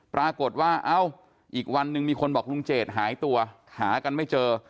ปรากฏว่าเอ้าอีกวันหนึ่งมีคนบอกลุงเจดหายตัวหากันไม่เจอ